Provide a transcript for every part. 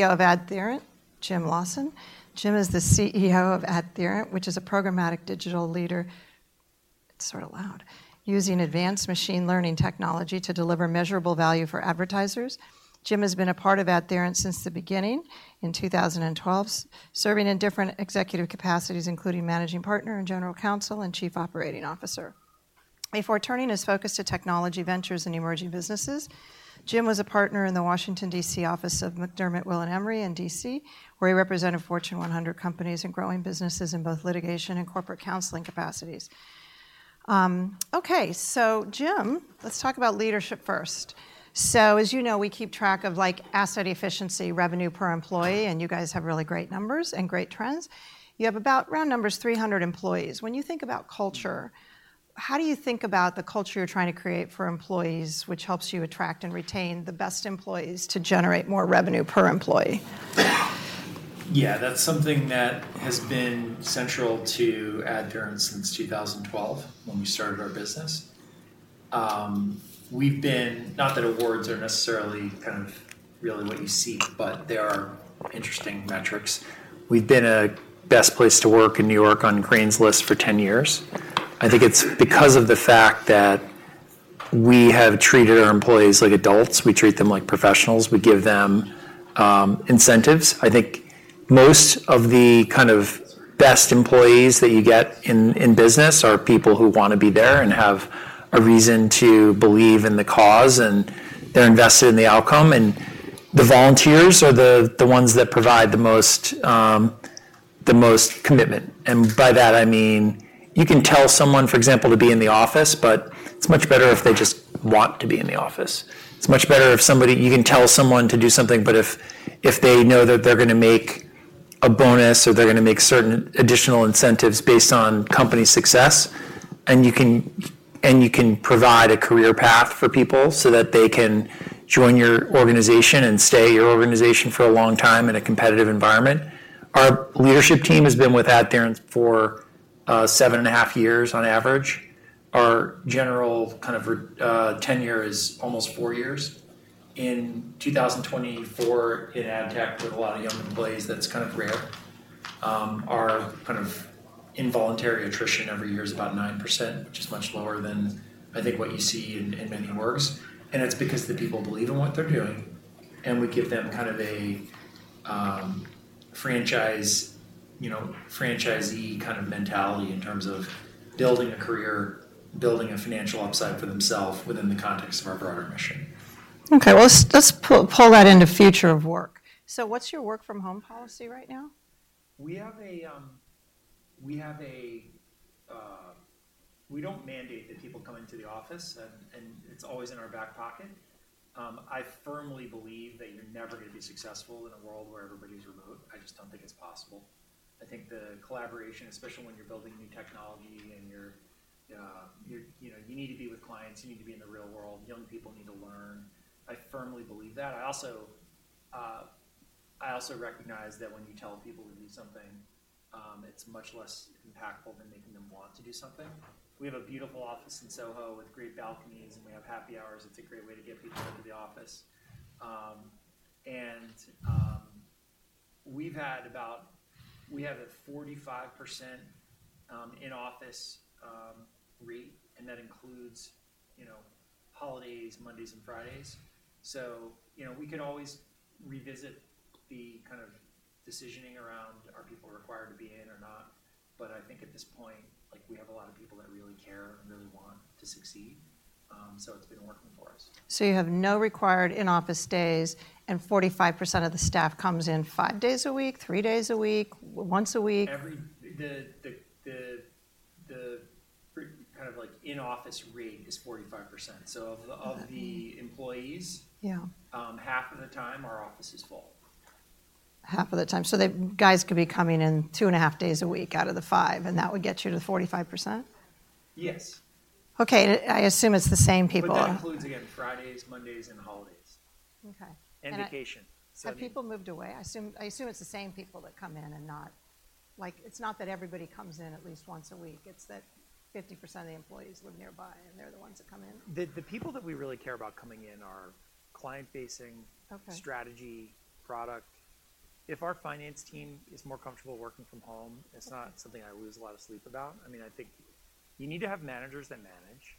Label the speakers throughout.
Speaker 1: CEO of AdTheorent, Jim Lawson. Jim is the CEO of AdTheorent, which is a programmatic digital advertising leader using advanced machine learning technology to deliver measurable value for advertisers. Jim has been a part of AdTheorent since the beginning, in 2012, serving in different executive capacities, including managing partner and general counsel, and chief operating officer. Before turning his focus to technology ventures and emerging businesses, Jim was a partner in the Washington, D.C. office of McDermott Will & Emery in D.C., where he represented Fortune 100 companies and growing businesses in both litigation and corporate counseling capacities. Okay, so Jim, let's talk about leadership first. So as you know, we keep track of, like, asset efficiency, revenue per employee, and you guys have really great numbers and great trends. You have about, round numbers, 300 employees. When you think about culture, how do you think about the culture you're trying to create for employees, which helps you attract and retain the best employees to generate more revenue per employee?
Speaker 2: Yeah, that's something that has been central to AdTheorent since 2012, when we started our business. We've been - not that awards are necessarily kind of really what you seek, but they are interesting metrics. We've been a best place to work in New York on Crain's list for 10 years. I think it's because of the fact that we have treated our employees like adults. We treat them like professionals. We give them incentives. I think most of the kind of best employees that you get in business are people who want to be there and have a reason to believe in the cause, and they're invested in the outcome, and the volunteers are the ones that provide the most commitment, and by that I mean, you can tell someone, for example, to be in the office, but it's much better if they just want to be in the office. It's much better if somebody. You can tell someone to do something, but if they know that they're gonna make a bonus or they're gonna make certain additional incentives based on company success, and you can provide a career path for people so that they can join your organization and stay in your organization for a long time in a competitive environment. Our leadership team has been with AdTheorent for 7.5 years on average. Our general kind of tenure is almost four years. In 2024, in ad tech, with a lot of young employees, that's kind of rare. Our kind of involuntary attrition every year is about 9%, which is much lower than, I think, what you see in many orgs, and it's because the people believe in what they're doing, and we give them kind of a franchise, you know, franchisee kind of mentality in terms of building a career, building a financial upside for themselves within the context of our broader mission.
Speaker 1: Okay, well, let's pull that into future of work. So what's your work from home policy right now?
Speaker 2: We don't mandate that people come into the office, and it's always in our back pocket. I firmly believe that you're never gonna be successful in a world where everybody's remote. I just don't think it's possible. I think the collaboration, especially when you're building new technology and you know you need to be with clients, you need to be in the real world, young people need to learn. I firmly believe that. I also recognize that when you tell people to do something, it's much less impactful than making them want to do something. We have a beautiful office in Soho with great balconies, and we have happy hours. It's a great way to get people into the office. We've had about - we have a 45% in-office rate, and that includes, you know, holidays, Mondays and Fridays. So, you know, we can always revisit the kind of decisioning around, are people required to be in or not, but I think at this point, like, we have a lot of people that really care and really want to succeed. So it's been working for us.
Speaker 1: You have no required in-office days, and 45% of the staff comes in five days a week, three days a week, once a week?
Speaker 2: The kind of like in-office rate is 45%. So of the employees.
Speaker 1: Yeah.
Speaker 2: Half of the time, our office is full.
Speaker 1: Half of the time. The guys could be coming in two and a half days a week out of the 5, and that would get you to the 45%?
Speaker 2: Yes.
Speaker 1: Okay, and I assume it's the same people.
Speaker 2: But that includes, again, Fridays, Mondays, and holidays.
Speaker 1: Okay.
Speaker 2: And vacation. So...
Speaker 1: Have people moved away? I assume it's the same people that come in and not... Like, it's not that everybody comes in at least once a week, it's that 50% of the employees live nearby, and they're the ones that come in.
Speaker 2: The people that we really care about coming in are client-facing...
Speaker 1: Okay
Speaker 2: ...strategy, product. If our finance team is more comfortable working from home, it's not something I lose a lot of sleep about. I mean, I think you need to have managers that manage.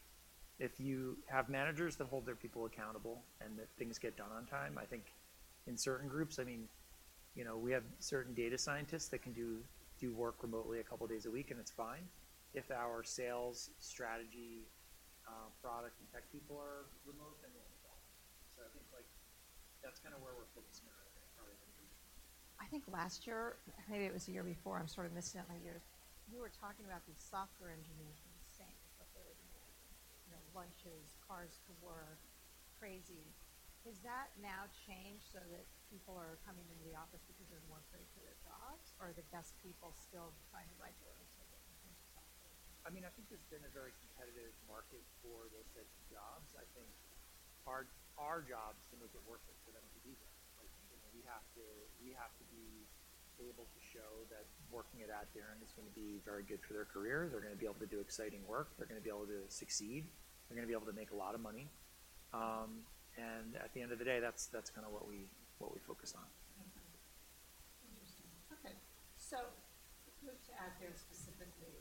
Speaker 2: If you have managers that hold their people accountable and that things get done on time, I think in certain groups, I mean, you know, we have certain data scientists that can do work remotely a couple days a week, and it's fine. If our sales, strategy, product, and tech people are remote, then they involve. So I think, like, that's kind of where we're focusing our effort rather than-
Speaker 1: I think last year, maybe it was the year before. I'm sort of mixing up my years. You were talking about these software engineers from the same, but they would move, you know, lunches, cars to work, crazy. Has that now changed so that people are coming into the office because they're more afraid for their jobs? Or are the best people still trying to regularly take it in terms of software?
Speaker 2: I mean, I think it's been a very competitive market for those types of jobs. I think our job is to make it worth it for them to be here. Like, you know, we have to be able to show that working at AdTheorent is going to be very good for their career. They're gonna be able to do exciting work. They're gonna be able to succeed. They're gonna be able to make a lot of money. And at the end of the day, that's kinda what we focus on.
Speaker 3: Interesting. Okay, let's move to AdTheorent specifically.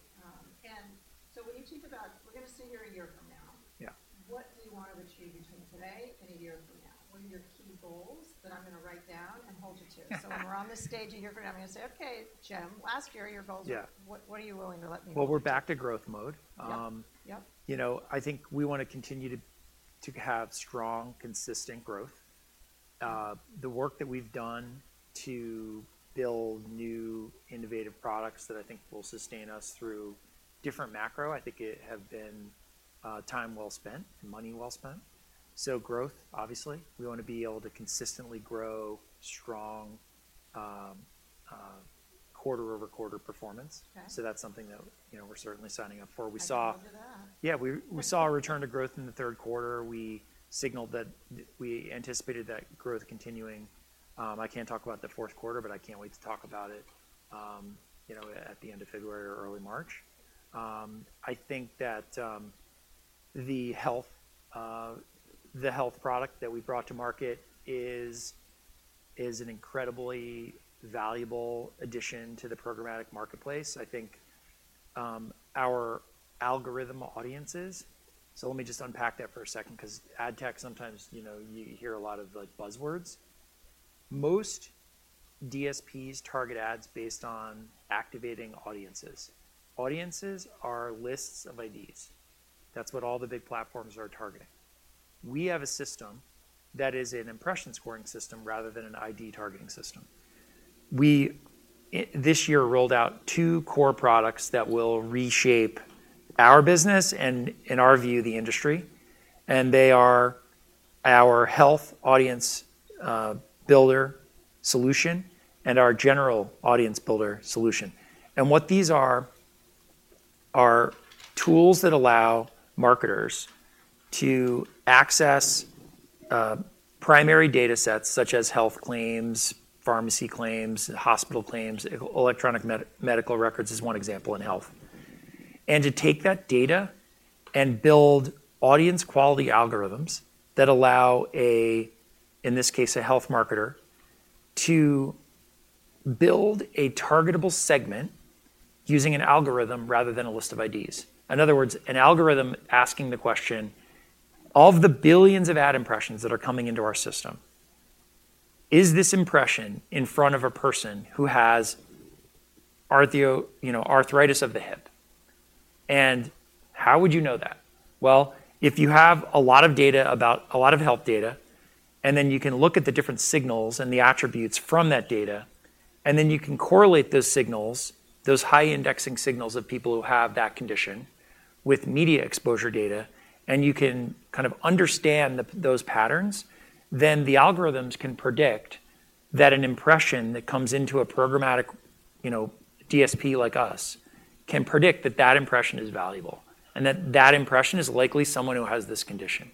Speaker 3: When you think about, we're gonna sit here a year from now-
Speaker 2: Yeah.
Speaker 3: What do you want to achieve between today and a year from now? What are your key goals that I'm gonna write down and hold you to? So when we're on this stage a year from now, I'm gonna say, okay, Jim, last year, your goals were...
Speaker 2: Yeah.
Speaker 3: ...what are you willing to let me know?
Speaker 2: Well, we're back to growth mode.
Speaker 3: Yep.
Speaker 2: You know, I think we wanna continue to have strong, consistent growth. The work that we've done to build new innovative products that I think will sustain us through different macro, I think it have been time well spent and money well spent. So growth, obviously, we wanna be able to consistently grow strong quarter-over-quarter performance.
Speaker 3: Okay.
Speaker 2: So that's something that, you know, we're certainly signing up for. We saw-
Speaker 3: I can go do that.
Speaker 2: Yeah, we saw a return to growth in the Q3. We signaled that we anticipated that growth continuing. I can't talk about the Q4, but I can't wait to talk about it, you know, at the end of February or early March. I think that, the health product that we brought to market is, is an incredibly valuable addition to the programmatic marketplace. I think, our algorithm audiences. So let me just unpack that for a second 'cause ad tech, sometimes, you know, you hear a lot of, like, buzzwords. Most DSPs target ads based on activating audiences. Audiences are lists of IDs. That's what all the big platforms are targeting. We have a system that is an impression scoring system rather than an ID targeting system. We, this year, rolled out two core products that will reshape our business, and in our view, the industry, and they are our health audience builder solution and our general audience builder solution. And what these are, are tools that allow marketers to access primary data sets, such as health claims, pharmacy claims, hospital claims, electronic medical records is one example in health. And to take that data and build audience quality algorithms that allow, in this case, a health marketer, to build a targetable segment using an algorithm rather than a list of IDs. In other words, an algorithm asking the question: of the billions of ad impressions that are coming into our system, is this impression in front of a person who has you know, arthritis of the hip? And how would you know that? Well, if you have a lot of data about... a lot of health data, and then you can look at the different signals and the attributes from that data, and then you can correlate those signals, those high-indexing signals of people who have that condition, with media exposure data, and you can kind of understand the, those patterns, then the algorithms can predict that an impression that comes into a programmatic, you know, DSP like us, can predict that that impression is valuable, and that that impression is likely someone who has this condition.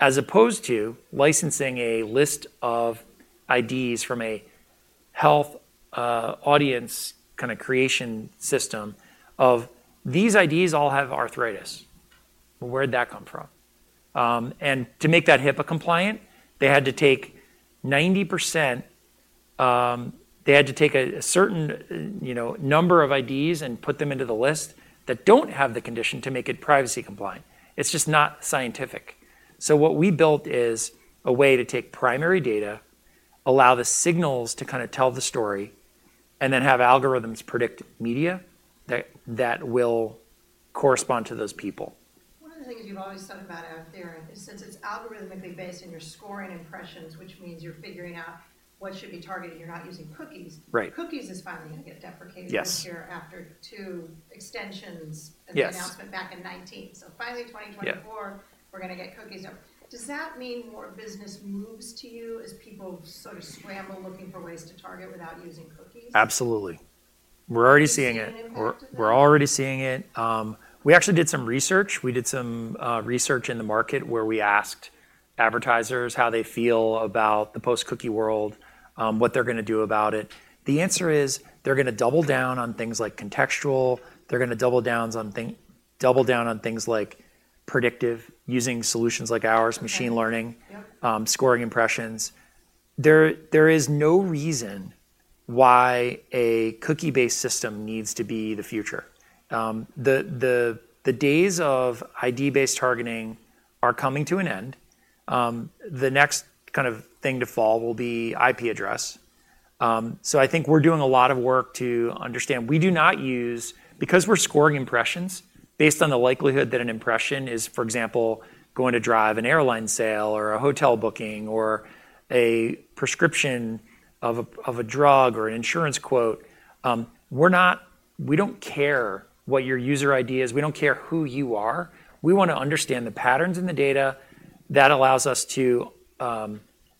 Speaker 2: As opposed to licensing a list of IDs from a health audience kind of creation system of, "These IDs all have arthritis." Well, where'd that come from? And to make that HIPAA compliant, they had to take 90%, a certain, you know, number of IDs and put them into the list that don't have the condition to make it privacy-compliant. It's just not scientific. So what we built is a way to take primary data, allow the signals to kinda tell the story, and then have algorithms predict media that will correspond to those people.
Speaker 3: One of the things you've always talked about at AdTheorent is, since it's algorithmically based and you're scoring impressions, which means you're figuring out what should be targeted, you're not using cookies.
Speaker 2: Right.
Speaker 3: Cookies is finally gonna get deprecated...
Speaker 2: Yes
Speaker 3: ...this year after two extensions...
Speaker 2: Yes
Speaker 3: ...and the announcement back in 2019. So finally, 2024-
Speaker 2: Yeah
Speaker 3: We're gonna get cookies out. Does that mean more business moves to you as people sort of scramble, looking for ways to target without using cookies?
Speaker 2: Absolutely. We're already seeing it.
Speaker 3: Do you see an impact with that?
Speaker 2: We're already seeing it. We actually did some research in the market, where we asked advertisers how they feel about the post-cookie world, what they're gonna do about it. The answer is, they're gonna double down on things like contextual. They're gonna double down on things like predictive, using solutions like ours...
Speaker 3: Okay
Speaker 2: ...machine learning...
Speaker 3: Yep
Speaker 2: ...scoring impressions. There is no reason why a cookie-based system needs to be the future. The days of ID-based targeting are coming to an end. The next kind of thing to fall will be IP address. So I think we're doing a lot of work to understand. We do not use. Because we're scoring impressions based on the likelihood that an impression is, for example, going to drive an airline sale or a hotel booking or a prescription of a drug or an insurance quote, we're not. We don't care what your user ID is. We don't care who you are. We wanna understand the patterns in the data. That allows us to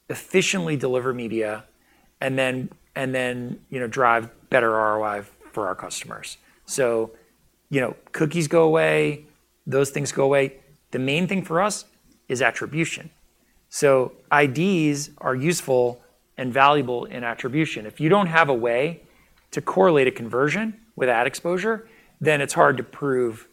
Speaker 2: efficiently deliver media, and then, you know, drive better ROI for our customers. So, you know, cookies go away, those things go away. The main thing for us is attribution. So IDs are useful and valuable in attribution. If you don't have a way to correlate a conversion with ad exposure, then it's hard to prove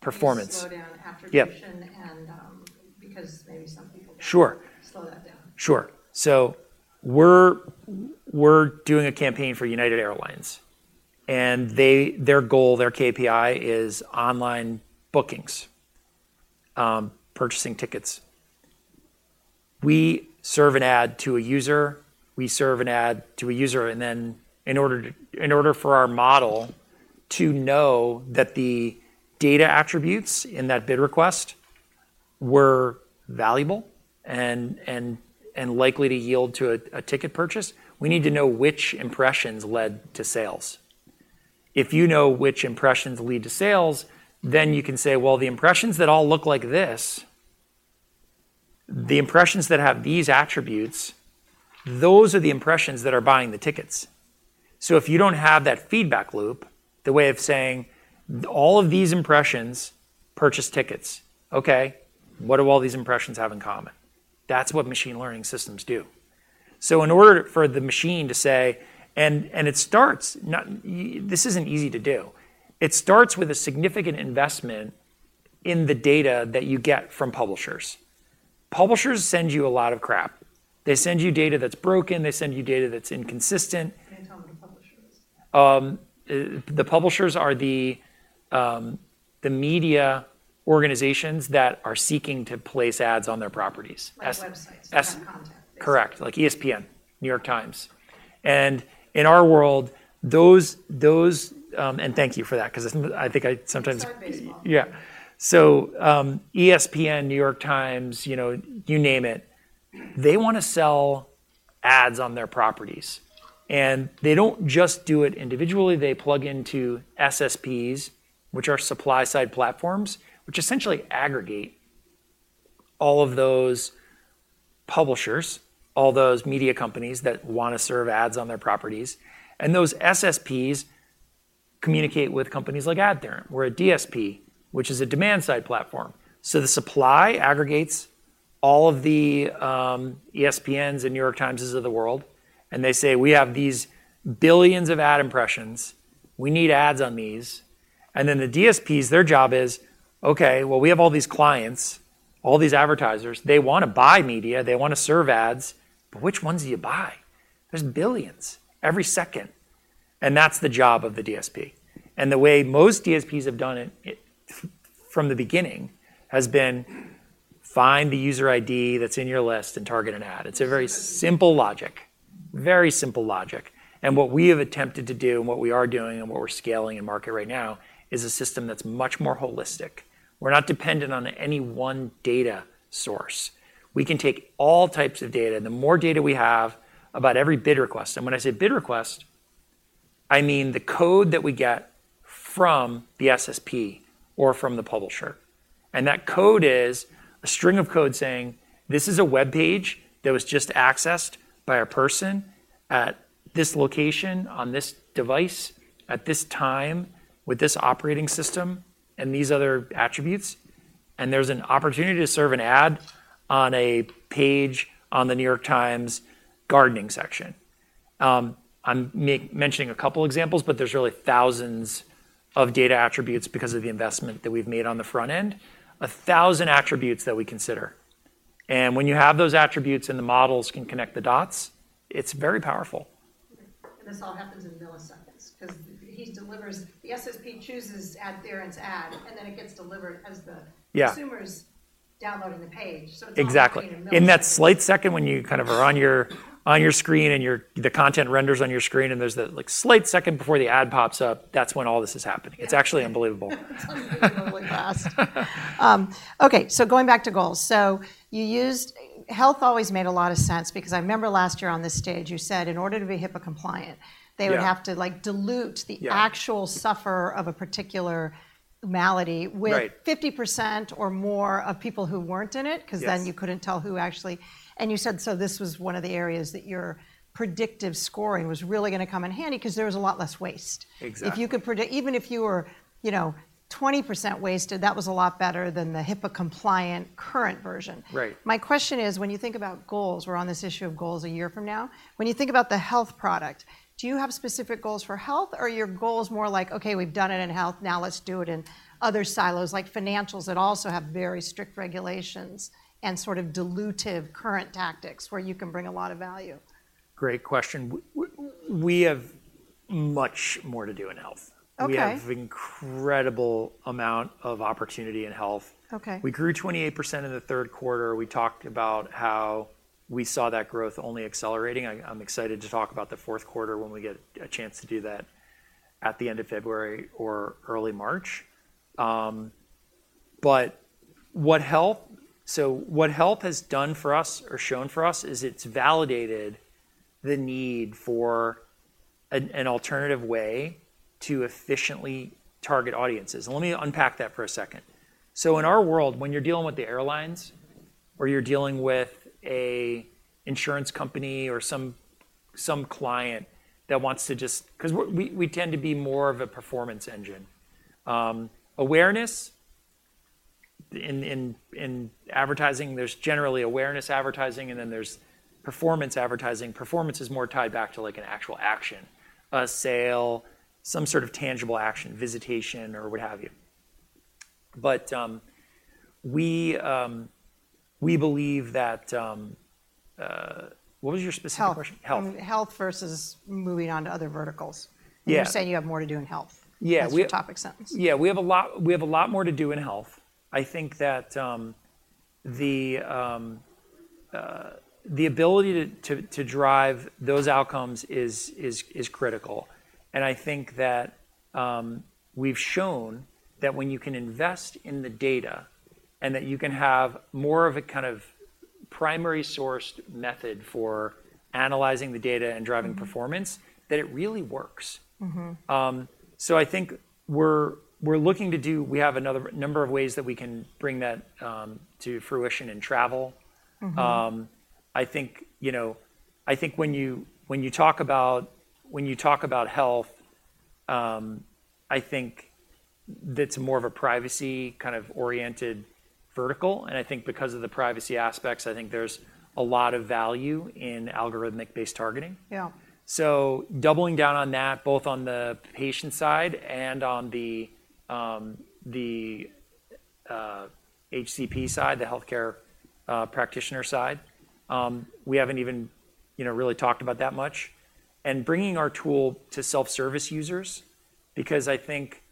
Speaker 2: performance.
Speaker 1: Can you slow down attribution?
Speaker 2: Yep.
Speaker 1: Because maybe some people...
Speaker 2: Sure
Speaker 1: ...slow that down.
Speaker 2: Sure. So we're doing a campaign for United Airlines, and their goal, their KPI, is online bookings, purchasing tickets. We serve an ad to a user, we serve an ad to a user, and then in order for our model to know that the data attributes in that bid request were valuable and likely to yield to a ticket purchase, we need to know which impressions led to sales. If you know which impressions lead to sales, then you can say, "Well, the impressions that all look like this, the impressions that have these attributes, those are the impressions that are buying the tickets." So if you don't have that feedback loop, the way of saying, "All of these impressions purchased tickets," okay, what do all these impressions have in common? That's what machine learning systems do. So in order for the machine to say. It starts, this isn't easy to do. It starts with a significant investment in the data that you get from publishers. Publishers send you a lot of crap. They send you data that's broken. They send you data that's inconsistent.
Speaker 1: Can you tell me what a publisher is?
Speaker 2: The publishers are the media organizations that are seeking to place ads on their properties.
Speaker 1: Like websites, or content.
Speaker 2: Correct. Like ESPN, New York Times. And in our world, those. And thank you for that, 'cause I think I sometimes...
Speaker 1: It's our baseball.
Speaker 2: Yeah. So, ESPN, New York Times, you know, you name it, they wanna sell ads on their properties. And they don't just do it individually, they plug into SSPs, which are supply-side platforms, which essentially aggregate all of those publishers, all those media companies that wanna serve ads on their properties. And those SSPs communicate with companies like AdTheorent, or a DSP, which is a demand-side platform. So the supply aggregates all of the ESPNs and New York Timeses of the world, and they say, "We have these billions of ad impressions. We need ads on these." And then the DSPs, their job is, "Okay, well, we have all these clients, all these advertisers. They wanna buy media, they wanna serve ads, but which ones do you buy? There's billions every second." And that's the job of the DSP. And the way most DSPs have done it from the beginning has been, "Find the user ID that's in your list and target an ad." It's a very simple logic, very simple logic. And what we have attempted to do, and what we are doing, and what we're scaling in market right now, is a system that's much more holistic. We're not dependent on any one data source. We can take all types of data, and the more data we have about every bid request. And when I say bid request, I mean the code that we get from the SSP or from the publisher. And that code is a string of code saying, "This is a web page that was just accessed by a person at this location, on this device, at this time, with this operating system and these other attributes, and there's an opportunity to serve an ad on a page on the New York Times gardening section." I'm mentioning a couple examples, but there's really thousands of data attributes because of the investment that we've made on the front end. A thousand attributes that we consider. And when you have those attributes and the models can connect the dots, it's very powerful.
Speaker 1: This all happens in milliseconds, 'cause he delivers... The SSP chooses AdTheorent's ad, and then it gets delivered as the...
Speaker 2: Yeah
Speaker 1: ...consumer's downloading the page. So it's all...
Speaker 2: Exactly
Speaker 1: ...in milliseconds.
Speaker 2: In that slight second when you kind of are on your, on your screen, and your, the content renders on your screen, and there's that, like, slight second before the ad pops up, that's when all this is happening.
Speaker 1: Yeah.
Speaker 2: It's actually unbelievable.
Speaker 1: It's unbelievably fast. Okay, so going back to goals. Health always made a lot of sense because I remember last year on this stage, you said in order to be HIPAA-compliant...
Speaker 2: Yeah
Speaker 1: ...they would have to, like, dilute the...
Speaker 2: Yeah
Speaker 1: ...actual sufferer of a particular malady...
Speaker 2: Right
Speaker 1: ...with 50% or more of people who weren't in it...
Speaker 2: Yes
Speaker 1: ...'cause then you couldn't tell who actually... And you said, so this was one of the areas that your predictive scoring was really gonna come in handy, 'cause there was a lot less waste.
Speaker 2: Exactly.
Speaker 1: If you could predict, even if you were, you know, 20% wasted, that was a lot better than the HIPAA-compliant current version.
Speaker 2: Right.
Speaker 1: My question is, when you think about goals, we're on this issue of goals a year from now, when you think about the health product, do you have specific goals for health, or are your goals more like, "Okay, we've done it in health, now let's do it in other silos," like financials, that also have very strict regulations and sort of dilutive current tactics, where you can bring a lot of value?
Speaker 2: Great question. We have much more to do in health.
Speaker 1: Okay.
Speaker 2: We have incredible amount of opportunity in health.
Speaker 1: Okay.
Speaker 2: We grew 28% in the Q3. We talked about how we saw that growth only accelerating. I'm excited to talk about the Q4 when we get a chance to do that at the end of February or early March. But what health has done for us or shown for us is it's validated the need for an alternative way to efficiently target audiences. And let me unpack that for a second. So in our world, when you're dealing with the airlines, or you're dealing with an insurance company or some client that wants to just 'cause we tend to be more of a performance engine. Awareness, in advertising, there's generally awareness advertising, and then there's performance advertising. Performance is more tied back to, like, an actual action, a sale, some sort of tangible action, visitation or what have you. But, we believe that... What was your specific question?
Speaker 1: Health.
Speaker 2: Health.
Speaker 1: Health versus moving on to other verticals.
Speaker 2: Yeah.
Speaker 1: You're saying you have more to do in health...
Speaker 2: Yeah, we...
Speaker 1: ...that's your topic sentence.
Speaker 2: Yeah, we have a lot, we have a lot more to do in health. I think that the ability to drive those outcomes is critical. And I think that we've shown that when you can invest in the data, and that you can have more of a kind of primary sourced method for analyzing the data and driving performance, that it really works. So, I think we're looking to do. We have another number of ways that we can bring that to fruition in travel. I think, you know, I think when you talk about health, I think that's more of a privacy kind of oriented vertical, and I think because of the privacy aspects, I think there's a lot of value in algorithmic-based targeting.
Speaker 1: Yeah.
Speaker 2: So doubling down on that, both on the patient side and on the HCP side, the healthcare practitioner side, we haven't even, you know, really talked about that much. And bringing our tool to self-service users, because I think,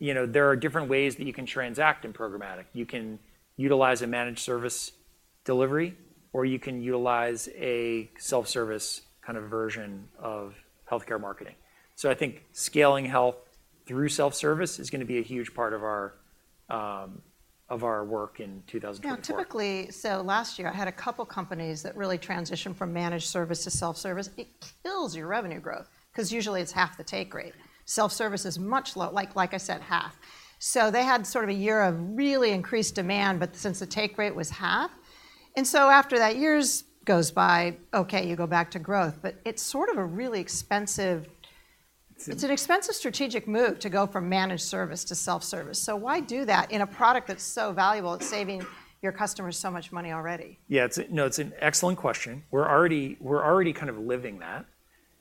Speaker 2: you know, there are different ways that you can transact in programmatic. You can utilize a managed service delivery, or you can utilize a self-service kind of version of healthcare marketing. So I think scaling health through self-service is gonna be a huge part of our work in 2024.
Speaker 1: Yeah, typically. So last year, I had a couple companies that really transitioned from managed service to self-service. It kills your revenue growth, 'cause usually it's half the take rate. Self-service is much lower, like I said, half. So they had sort of a year of really increased demand, but since the take rate was half, and so after that, years goes by, okay, you go back to growth. But it's sort of a really expensive...
Speaker 2: It's...
Speaker 1: ...it's an expensive strategic move to go from managed service to self-service. So why do that in a product that's so valuable, it's saving your customers so much money already?
Speaker 2: Yeah, it's, no, it's an excellent question. We're already, we're already kind of living that.
Speaker 1: Okay.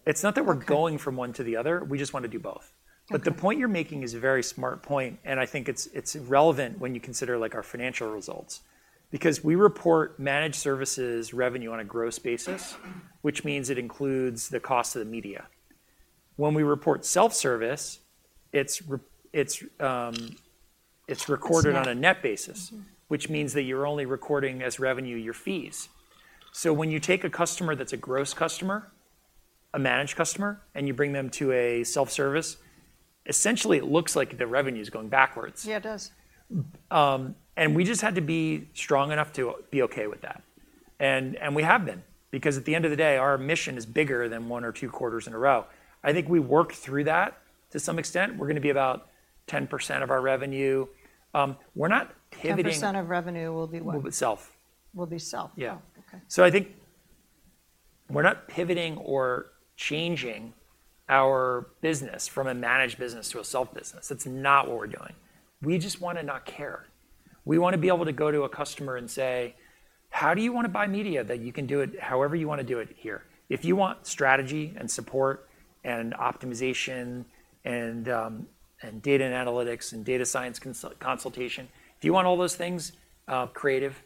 Speaker 2: It's not that we're going from one to the other, we just want to do both.
Speaker 1: Okay.
Speaker 2: But the point you're making is a very smart point, and I think it's relevant when you consider, like, our financial results. Because we report managed services revenue on a gross basis, which means it includes the cost of the media. When we report self-service, it's recorded...
Speaker 1: It's net
Speaker 2: ...on a net basis. Which means that you're only recording as revenue, your fees. So when you take a customer that's a gross customer, a managed customer, and you bring them to a self-service, essentially it looks like the revenue is going backwards.
Speaker 1: Yeah, it does.
Speaker 2: And we just had to be strong enough to be okay with that. And we have been, because at the end of the day, our mission is bigger than one or two quarters in a row. I think we worked through that to some extent. We're gonna be about 10% of our revenue. We're not pivoting...
Speaker 1: 10% of revenue will be what?
Speaker 2: Will be self.
Speaker 1: Will be self.
Speaker 2: Yeah.
Speaker 1: Oh, okay.
Speaker 2: I think we're not pivoting or changing our business from a managed business to a self business. It's not what we're doing. We just want to not care. We want to be able to go to a customer and say: How do you want to buy media, that you can do it however you want to do it here? If you want strategy and support and optimization and data and analytics and data science consultation, if you want all those things, creative,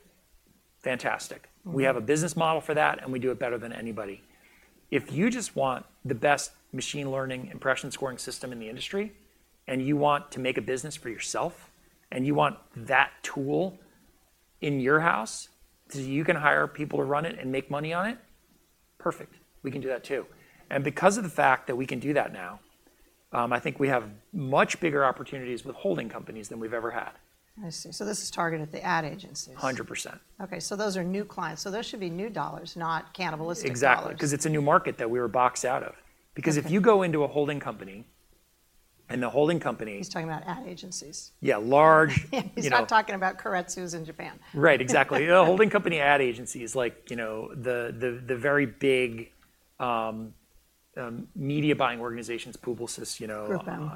Speaker 2: fantastic.
Speaker 1: We have a business model for that, and we do it better than anybody. If you just want the best machine learning impression scoring system in the industry, and you want to make a business for yourself, and you want that tool in your house, so you can hire people to run it and make money on it, perfect, we can do that too. And because of the fact that we can do that now, I think we have much bigger opportunities with holding companies than we've ever had. I see. So this is targeted at the ad agencies?
Speaker 2: 100%.
Speaker 1: Okay, so those are new clients. So those should be new dollars, not cannibalistic dollars.
Speaker 2: Exactly, 'cause it's a new market that we were boxed out of.
Speaker 1: Okay.
Speaker 2: Because if you go into a holding company, and the holding company...
Speaker 1: He's talking about ad agencies.
Speaker 2: Yeah, large...
Speaker 1: Yeah
Speaker 2: ...you know.
Speaker 1: He's not talking about Karetsu in Japan.
Speaker 2: Right. Exactly. You know, holding company ad agencies, like, you know, the very big media buying organizations, Publicis, you know...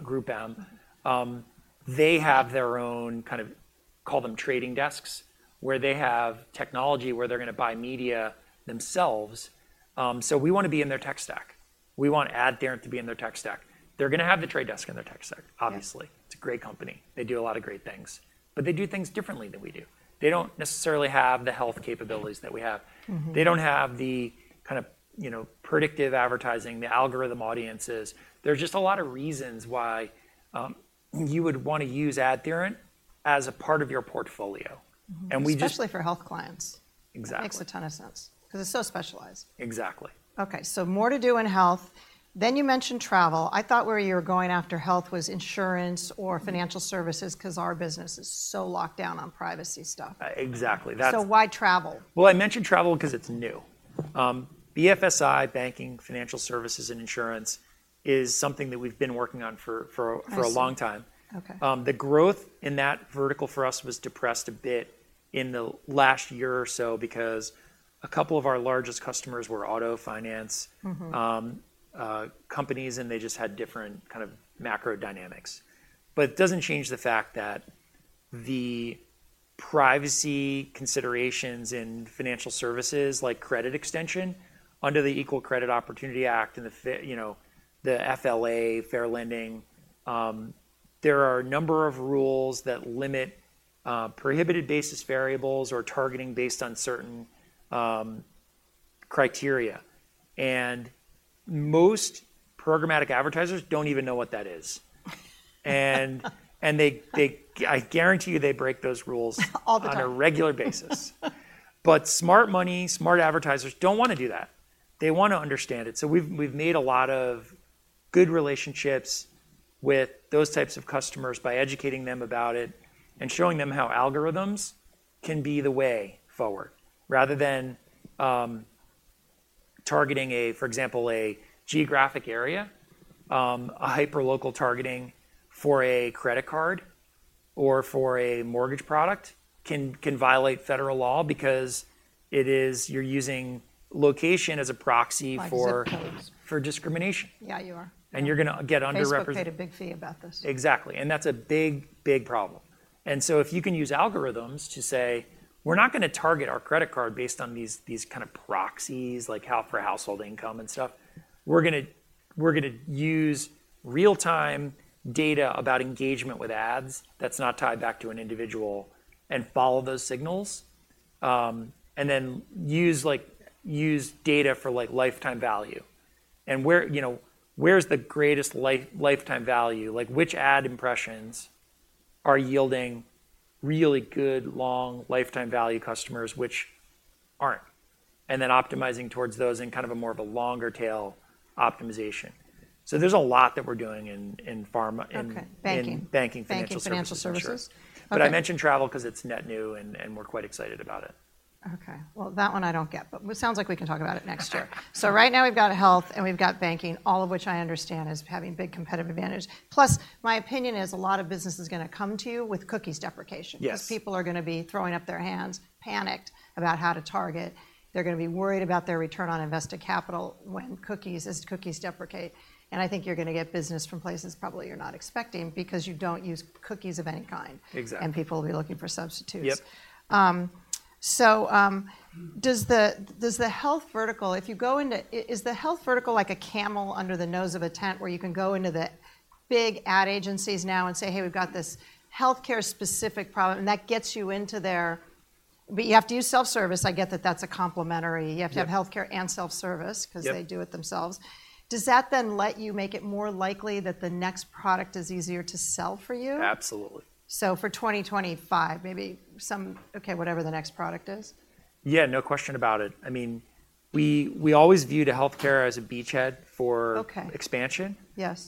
Speaker 1: GroupM
Speaker 2: ...GroupM. They have their own kind of, call them trading desks, where they have technology, where they're gonna buy media themselves. So we wanna be in their tech stack. We want AdTheorent to be in their tech stack. They're gonna have the Trade Desk in their tech stack, obviously.
Speaker 1: Yeah.
Speaker 2: It's a great company. They do a lot of great things, but they do things differently than we do. They don't necessarily have the health capabilities that we have. They don't have the kind of, you know, predictive advertising, the algorithm audiences. There's just a lot of reasons why you would wanna use AdTheorent as a part of your portfolio. And we just...
Speaker 1: Especially for health clients.
Speaker 2: Exactly.
Speaker 1: Makes a ton of sense, 'cause it's so specialized.
Speaker 2: Exactly.
Speaker 1: Okay, so more to do in health. Then, you mentioned travel. I thought where you were going after health was insurance or financial services, 'cause our business is so locked down on privacy stuff.
Speaker 2: Exactly.
Speaker 1: Why travel?
Speaker 2: Well, I mentioned travel 'cause it's new. BFSI, banking, financial services, and insurance, is something that we've been working on for a long time.
Speaker 1: I see. Okay.
Speaker 2: The growth in that vertical for us was depressed a bit in the last year or so, because a couple of our largest customers were auto finance companies, and they just had different kind of macro dynamics. But it doesn't change the fact that the privacy considerations in financial services, like credit extension, under the Equal Credit Opportunity Act and the you know, the FLA, fair lending, there are a number of rules that limit, prohibited basis variables or targeting based on certain, criteria. And most programmatic advertisers don't even know what that is. And they, I guarantee you, they break those rules...
Speaker 1: All the time.
Speaker 2: ...on a regular basis. But smart money, smart advertisers don't wanna do that. They wanna understand it. So we've made a lot of good relationships with those types of customers by educating them about it and showing them how algorithms can be the way forward, rather than, targeting a, for example, a geographic area. A hyperlocal targeting for a credit card or for a mortgage product, can, can violate federal law because it is... You're using location as a proxy for...
Speaker 1: ZIP codes
Speaker 2: ...for discrimination.
Speaker 1: Yeah, you are.
Speaker 2: And you're gonna get under represent...
Speaker 1: Facebook paid a big fee about this.
Speaker 2: Exactly, and that's a big, big problem. And so if you can use algorithms to say, we're not gonna target our credit card based on these kind of proxies, like how for household income and stuff, we're gonna use real-time data about engagement with ads that's not tied back to an individual, and follow those signals. And then use like, use data for, like, lifetime value. And where, you know, where's the greatest lifetime value? Like, which ad impressions are yielding really good, long lifetime value customers, which aren't? And then optimizing towards those in kind of a more of a longer tail optimization. So there's a lot that we're doing in pharma...
Speaker 1: Okay, banking.
Speaker 2: In banking, financial services.
Speaker 1: Banking, financial services.
Speaker 2: For sure.
Speaker 1: Okay.
Speaker 2: But I mentioned travel 'cause it's net new, and we're quite excited about it.
Speaker 1: Okay. Well, that one I don't get, but it sounds like we can talk about it next year. So right now, we've got health, and we've got banking, all of which I understand as having big competitive advantage. Plus, my opinion is a lot of business is gonna come to you with cookies deprecation.
Speaker 2: Yes.
Speaker 1: People are gonna be throwing up their hands, panicked about how to target. They're gonna be worried about their return on invested capital when cookies, as cookies deprecate. And I think you're gonna get business from places probably you're not expecting, because you don't use cookies of any kind.
Speaker 2: Exactly.
Speaker 1: People will be looking for substitutes.
Speaker 2: Yep.
Speaker 1: Does the health vertical... If you go into, is the health vertical like a camel under the nose of a tent, where you can go into the big ad agencies now and say, "Hey, we've got this healthcare-specific problem," and that gets you into their. But you have to use self-service. I get that that's a complementary.
Speaker 2: Yeah.
Speaker 1: You have to have healthcare and self-service...
Speaker 2: Yep
Speaker 1: ...'cause they do it themselves. Does that then let you make it more likely that the next product is easier to sell for you?
Speaker 2: Absolutely.
Speaker 1: For 2025, maybe some, okay, whatever the next product is.
Speaker 2: Yeah, no question about it. I mean, we always viewed healthcare as a beachhead for...
Speaker 1: Okay
Speaker 2: ...expansion.
Speaker 1: Yes.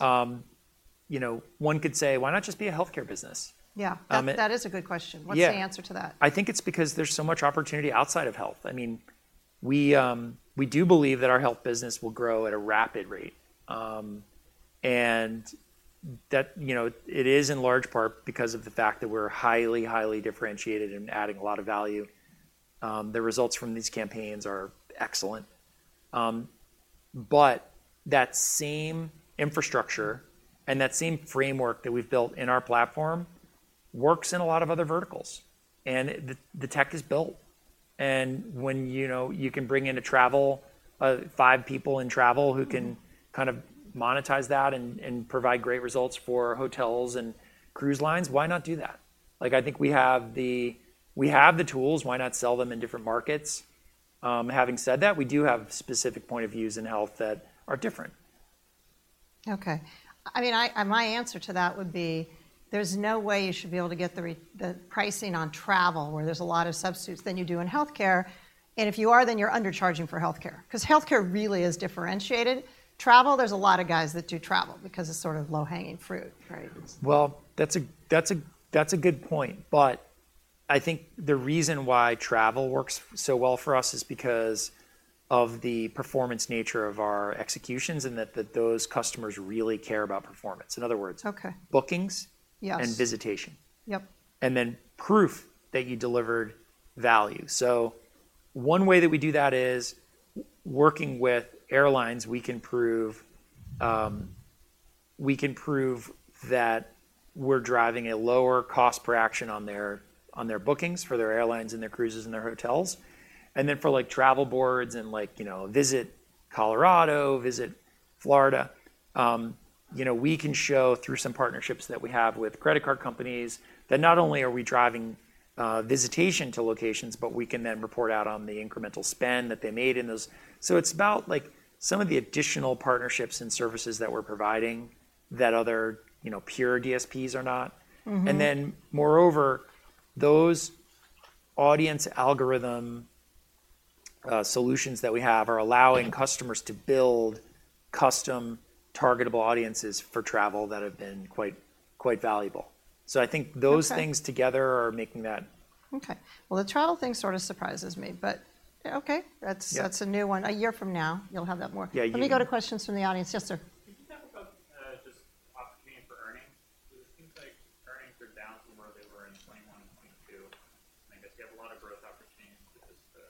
Speaker 2: You know, one could say: Why not just be a healthcare business?
Speaker 1: Yeah.
Speaker 2: Um...
Speaker 1: That is a good question.
Speaker 2: Yeah.
Speaker 1: What's the answer to that?
Speaker 2: I think it's because there's so much opportunity outside of health. I mean, we do believe that our health business will grow at a rapid rate. And that, you know, it is in large part because of the fact that we're highly, highly differentiated and adding a lot of value. The results from these campaigns are excellent. But that same infrastructure and that same framework that we've built in our platform works in a lot of other verticals, and the tech is built. And when, you know, you can bring in to travel five people in travel, who can kind of monetize that and provide great results for hotels and cruise lines, why not do that? Like, I think we have the tools, why not sell them in different markets? Having said that, we do have specific points of view in health that are different.
Speaker 1: Okay. I mean, and my answer to that would be, there's no way you should be able to get the pricing on travel, where there's a lot of substitutes, than you do in healthcare. And if you are, then you're undercharging for healthcare, 'cause healthcare really is differentiated. Travel, there's a lot of guys that do travel because it's sort of low-hanging fruit, right?
Speaker 2: Well, that's a good point. But I think the reason why travel works so well for us is because of the performance nature of our executions, and that those customers really care about performance. In other words...
Speaker 1: Okay...
Speaker 2: bookings...
Speaker 1: Yes
Speaker 2: ...and visitation.
Speaker 1: Yep.
Speaker 2: And then proof that you delivered value. So one way that we do that is working with airlines, we can prove, we can prove that we're driving a lower cost per action on their bookings for their airlines, and their cruises, and their hotels. And then for, like, travel boards and, like, you know, Visit Colorado, Visit Florida, you know, we can show through some partnerships that we have with credit card companies, that not only are we driving, visitation to locations, but we can then report out on the incremental spend that they made in those... So it's about, like, some of the additional partnerships and services that we're providing that other, you know, pure DSPs are not. And then, moreover, those audience algorithm solutions that we have are allowing customers to build custom, targetable audiences for travel that have been quite valuable. So I think...
Speaker 1: Okay
Speaker 2: ...those things together are making that...
Speaker 1: Okay. Well, the travel thing sort of surprises me, but okay.
Speaker 2: Yeah.
Speaker 1: That's a new one. A year from now, you'll have that more.
Speaker 2: Yeah, you...
Speaker 1: Let me go to questions from the audience. Yes, sir?
Speaker 4: It seems like earnings are down from where they were in 2021 and 2022. I guess you have a lot of growth opportunities with just the,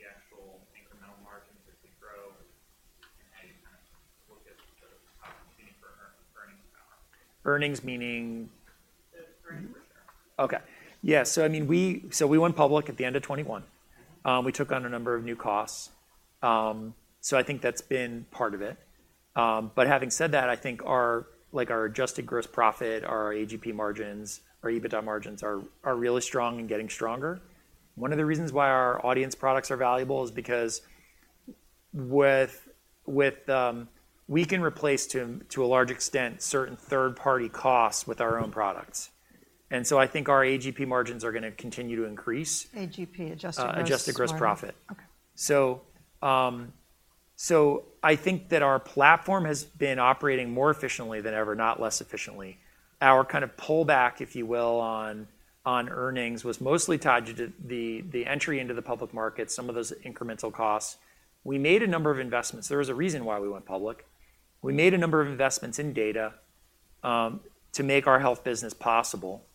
Speaker 4: the actual incremental margins as we grow, and how you kind of look at the opportunity for earnings power?
Speaker 2: Earnings meaning?
Speaker 4: The earnings per share.
Speaker 2: Okay. Yeah, so I mean, we - so we went public at the end of 2021. We took on a number of new costs. So I think that's been part of it. But having said that, I think our, like, our adjusted gross profit, our AGP margins, our EBITDA margins are really strong and getting stronger. One of the reasons why our audience products are valuable is because with... We can replace to a large extent certain third-party costs with our own products. And so I think our AGP margins are gonna continue to increase.
Speaker 1: AGP, adjusted gross profit.
Speaker 2: Adjusted Gross Profit.
Speaker 1: Okay.
Speaker 2: I think that our platform has been operating more efficiently than ever, not less efficiently. Our kind of pullback, if you will, on earnings, was mostly tied to the entry into the public market, some of those incremental costs. We made a number of investments. There was a reason why we went public. We made a number of investments in data, to make our health business possible.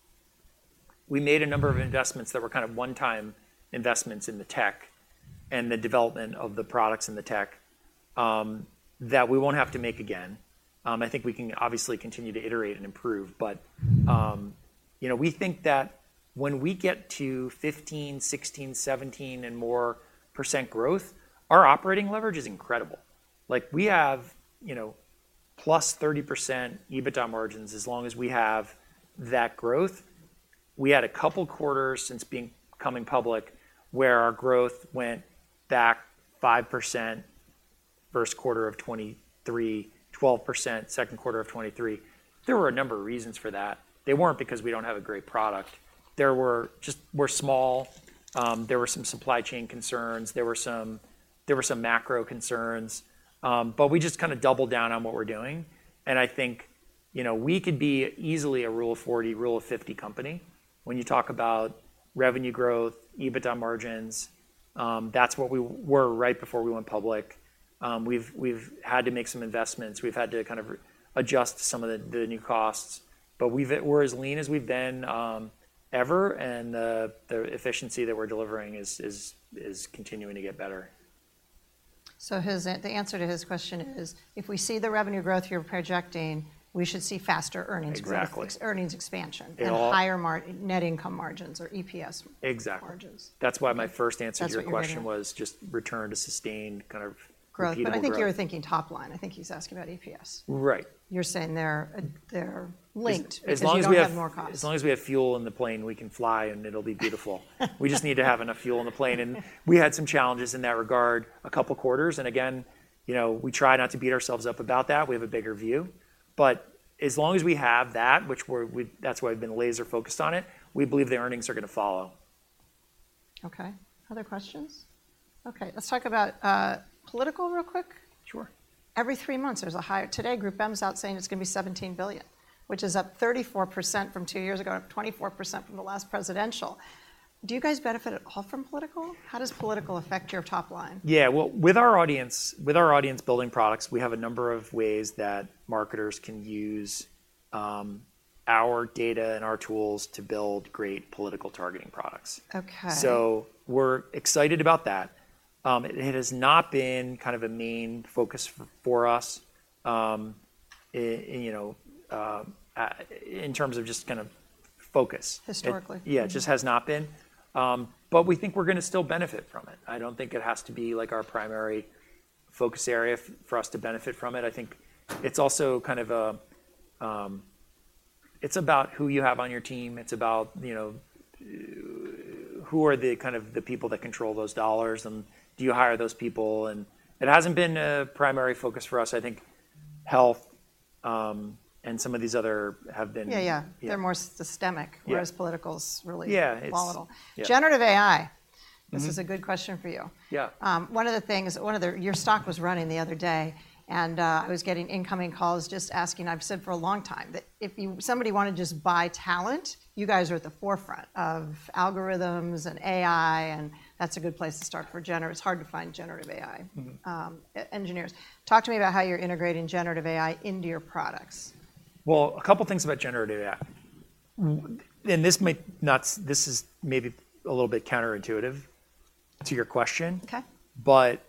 Speaker 2: We made a number of investments that were kind of one-time investments in the tech, and the development of the products and the tech, that we won't have to make again. I think we can obviously continue to iterate and improve, but, you know, we think that when we get to 15%, 16%, 17%, and more % growth, our operating leverage is incredible. Like, we have, you know, +30% EBITDA margins, as long as we have that growth. We had a couple quarters since becoming public, where our growth went back 5% Q1 of 2023, 12% Q2 of 2023. There were a number of reasons for that. They weren't because we don't have a great product. There were just we're small, there were some supply chain concerns, there were some, there were some macro concerns. But we just kind of doubled down on what we're doing, and I think, you know, we could be easily a Rule of 40, Rule of 50 company. When you talk about revenue growth, EBITDA margins, that's what we were right before we went public. We've had to make some investments. We've had to kind of adjust some of the new costs. But we're as lean as we've been ever, and the efficiency that we're delivering is continuing to get better.
Speaker 1: So, the answer to his question is: if we see the revenue growth you're projecting, we should see faster earnings...
Speaker 2: Exactly
Speaker 1: ...earnings expansion...
Speaker 2: It all...
Speaker 1: ...and higher net income margins or EPS...
Speaker 2: Exactly
Speaker 1: .....margins.
Speaker 2: That's why my first answer to your question...
Speaker 1: That's what you're getting at.
Speaker 2: ...was just return to sustained, kind of repeated growth.
Speaker 1: I think you were thinking top line. I think he's asking about EPS.
Speaker 2: Right.
Speaker 1: You're saying they're linked...
Speaker 2: As long as we have...
Speaker 1: Because you don't have more costs.
Speaker 2: ...as long as we have fuel in the plane, we can fly, and it'll be beautiful. We just need to have enough fuel in the plane, and we had some challenges in that regard a couple quarters. Again, you know, we try not to beat ourselves up about that. We have a bigger view. But as long as we have that, which we're, that's why we've been laser focused on it, we believe the earnings are gonna follow.
Speaker 1: Okay. Other questions? Okay, let's talk about political real quick.
Speaker 2: Sure.
Speaker 1: Every three months there's a higher... Today, GroupM is out saying it's gonna be $17 billion, which is up 34% from two years ago, and up 24% from the last presidential. Do you guys benefit at all from political? How does political affect your top line?
Speaker 2: Yeah. Well, with our audience, with our audience-building products, we have a number of ways that marketers can use our data and our tools to build great political targeting products.
Speaker 1: Okay.
Speaker 2: So we're excited about that. It has not been kind of a main focus for us, you know, in terms of just kind of focus.
Speaker 1: Historically?
Speaker 2: Yeah, it just has not been. But we think we're gonna still benefit from it. I don't think it has to be, like, our primary focus area for us to benefit from it. I think it's also kind of a... It's about who you have on your team, it's about, you know, who are the kind of the people that control those dollars, and do you hire those people? And it hasn't been a primary focus for us. I think health, and some of these other have been-
Speaker 1: Yeah.
Speaker 2: Yeah.
Speaker 1: They're more systemic...
Speaker 2: Yeah
Speaker 1: ...whereas political's really...
Speaker 2: Yeah, it's...
Speaker 1: ...volatile.
Speaker 2: Yeah.
Speaker 1: Generative AI. This is a good question for you.
Speaker 2: Yeah.
Speaker 1: One of the things, your stock was running the other day, and I was getting incoming calls just asking. I've said for a long time that if somebody wanted to just buy talent, you guys are at the forefront of algorithms and AI, and that's a good place to start. It's hard to find generative AI engineers. Talk to me about how you're integrating generative AI into your products.
Speaker 2: Well, a couple things about generative AI. This is maybe a little bit counterintuitive to your question...
Speaker 1: Okay
Speaker 2: ...but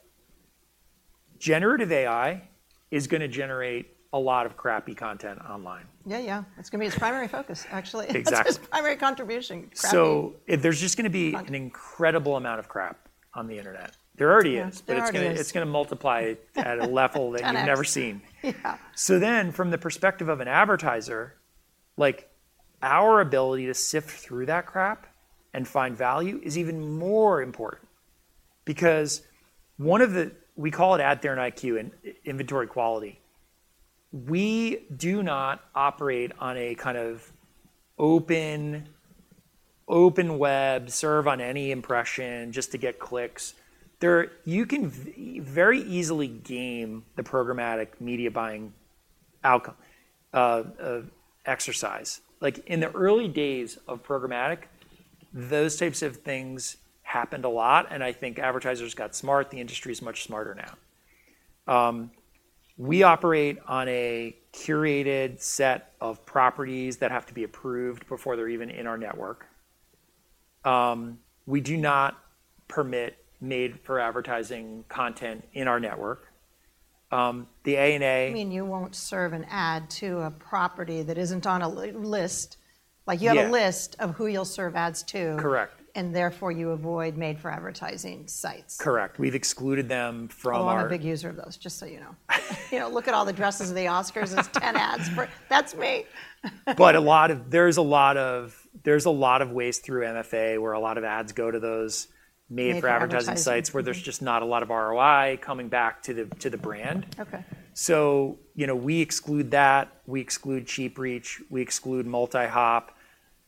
Speaker 2: generative AI is gonna generate a lot of crappy content online.
Speaker 1: Yeah. It's gonna be its primary focus, actually.
Speaker 2: Exactly.
Speaker 1: That's its primary contribution: crappy...
Speaker 2: There's just gonna be...
Speaker 1: ....content...
Speaker 2: ...an incredible amount of crap on the internet. There already is.
Speaker 1: ...there already is.
Speaker 2: But it's gonna, it's gonna multiply at a level...
Speaker 1: Ten X
Speaker 2: ...that you've never seen.
Speaker 1: Yeah.
Speaker 2: So then, from the perspective of an advertiser, like, our ability to sift through that crap and find value is even more important. Because we call it AdTheorent IQ, in inventory quality. We do not operate on a kind of open web, serve on any impression just to get clicks. You can very easily game the programmatic media buying outcome, exercise. Like, in the early days of programmatic, those types of things happened a lot, and I think advertisers got smart. The industry is much smarter now. We operate on a curated set of properties that have to be approved before they're even in our network. We do not permit made-for-advertising content in our network. The...
Speaker 1: You mean you won't serve an ad to a property that isn't on a list?
Speaker 2: Yeah.
Speaker 1: Like, you have a list of who you'll serve ads to?
Speaker 2: Correct
Speaker 1: And therefore, you avoid made-for-advertising sites?
Speaker 2: Correct. We've excluded them from our...
Speaker 1: Oh, I'm a big user of those, just so you know. You know, look at all the dresses of the Oscars, it's 10 ads for - that's me.
Speaker 2: But a lot of - there's a lot of ways through MFA, where a lot of ads go to those made-for-advertising...
Speaker 1: Made-for-advertising
Speaker 2: ...sites, where there's just not a lot of ROI coming back to the brand.
Speaker 1: Okay.
Speaker 2: So, you know, we exclude that, we exclude cheap reach, we exclude multi-hop.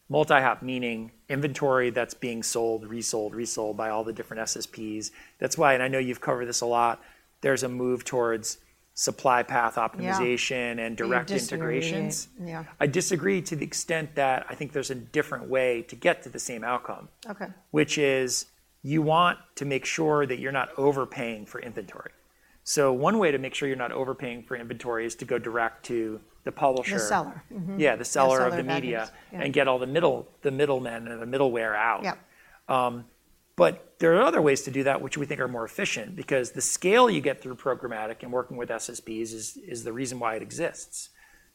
Speaker 2: Multi-hop meaning inventory that's being sold, resold, resold by all the different SSPs. That's why, and I know you've covered this a lot, there's a move towards Supply Path Optimization...
Speaker 1: Yeah
Speaker 2: ...and direct integrations.
Speaker 1: You disagree. Yeah.
Speaker 2: I disagree to the extent that I think there's a different way to get to the same outcome.
Speaker 1: Okay.
Speaker 2: Which is, you want to make sure that you're not overpaying for inventory. One way to make sure you're not overpaying for inventory is to go direct to the publisher...
Speaker 1: The seller.
Speaker 2: Yeah, the seller...
Speaker 1: The seller of the ad space.
Speaker 2: ...of the media, and get all the middlemen and the middleware out.
Speaker 1: Yep.
Speaker 2: But there are other ways to do that, which we think are more efficient, because the scale you get through programmatic and working with SSPs is the reason why it exists.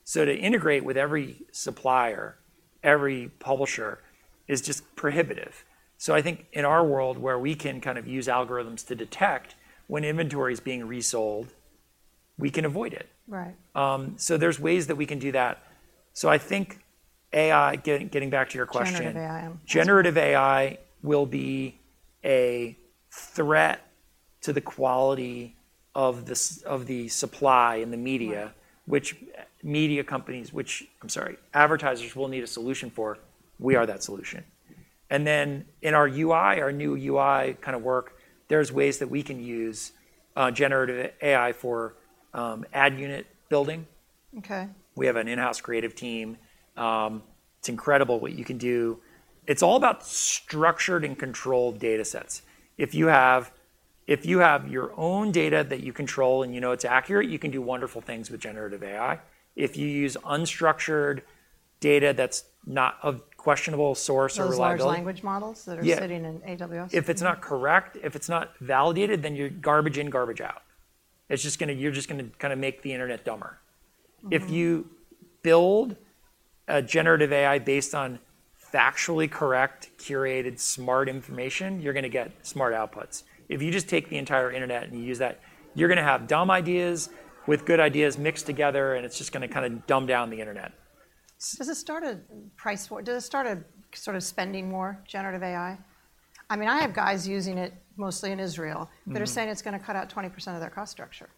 Speaker 2: So to integrate with every supplier, every publisher, is just prohibitive. So I think in our world, where we can kind of use algorithms to detect when inventory is being resold, we can avoid it.
Speaker 1: Right.
Speaker 2: So there's ways that we can do that. So I think AI, getting back to your question...
Speaker 1: Generative AI.
Speaker 2: Generative AI will be a threat to the quality of the supply in the media...
Speaker 1: Right
Speaker 2: ...I'm sorry, advertisers will need a solution for. We are that solution. And then in our UI, our new UI kind of work, there's ways that we can use generative AI for ad unit building.
Speaker 1: Okay.
Speaker 2: We have an in-house creative team. It's incredible what you can do. It's all about structured and controlled data sets. If you have your own data that you control and you know it's accurate, you can do wonderful things with generative AI. If you use unstructured data that's not of questionable source or reliability...
Speaker 1: Those large language models that are...
Speaker 2: Yeah
Speaker 1: ...sitting in AWS.
Speaker 2: If it's not correct, if it's not validated, then you're garbage in, garbage out. It's just you're just gonna kind of make the internet dumber. If you build a generative AI based on factually correct, curated, smart information, you're gonna get smart outputs. If you just take the entire internet and you use that, you're gonna have dumb ideas with good ideas mixed together, and it's just gonna kind of dumb down the internet.
Speaker 1: Does it start a sort of spending more, generative AI? I mean, I have guys using it, mostly in Israel that are saying it's gonna cut out 20% of their cost structure.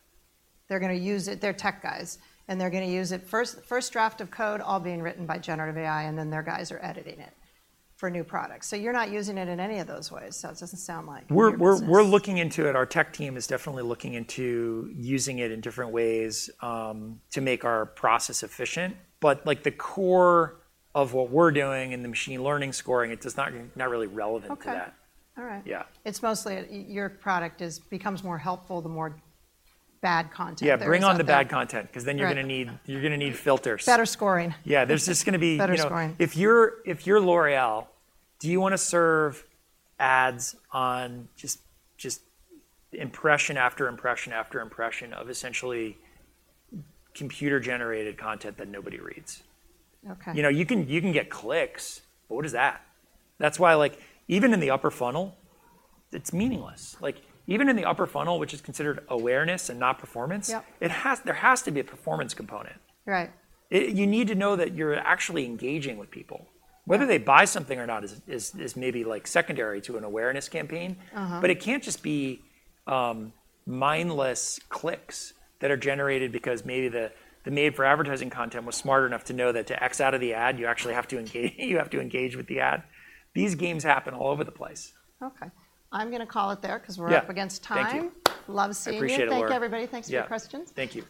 Speaker 1: They're gonna use it. They're tech guys, and they're gonna use it, first draft of code, all being written by generative AI, and then their guys are editing it for new products. So you're not using it in any of those ways, so it doesn't sound like in your business.
Speaker 2: We're looking into it. Our tech team is definitely looking into using it in different ways to make our process efficient. But like, the core of what we're doing in the machine learning scoring, it is not really relevant to that.
Speaker 1: Okay. All right.
Speaker 2: Yeah.
Speaker 1: It's mostly, your product is becomes more helpful the more bad content there is out there.
Speaker 2: Yeah, bring on the bad content, 'cause then you're gonna need...
Speaker 1: Right
Speaker 2: ...you're gonna need filters.
Speaker 1: Better scoring.
Speaker 2: Yeah, there's just gonna be...
Speaker 1: Better scoring
Speaker 2: ...you know, if you're, if you're L'Oréal, do you wanna serve ads on just, just impression after impression after impression of essentially computer-generated content that nobody reads?
Speaker 1: Okay.
Speaker 2: You know, you can, you can get clicks, but what is that? That's why, like, even in the upper funnel, it's meaningless. Like, even in the upper funnel, which is considered awareness and not performance...
Speaker 1: Yep
Speaker 2: ...it has, there has to be a performance component.
Speaker 1: Right.
Speaker 2: You need to know that you're actually engaging with people.
Speaker 1: Yeah.
Speaker 2: Whether they buy something or not is maybe, like, secondary to an awareness campaign.
Speaker 1: Uh-huh.
Speaker 2: But it can't just be mindless clicks that are generated because maybe the made-for-advertising content was smart enough to know that to X out of the ad, you actually have to engage, you have to engage with the ad. These games happen all over the place.
Speaker 1: Okay. I'm gonna call it there, 'cause we're up...
Speaker 2: Yeah
Speaker 1: ...against time.
Speaker 2: Thank you.
Speaker 1: Love seeing you.
Speaker 2: I appreciate it, Laura.
Speaker 1: Thank you, everybody.
Speaker 2: Yeah.
Speaker 1: Thanks for your questions.
Speaker 2: Thank you.